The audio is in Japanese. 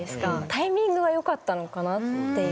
タイミングがよかったのかなっていう。